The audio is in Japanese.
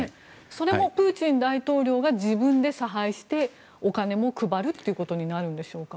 それもプーチン大統領が自分で差配してお金も配るということになるんでしょうか。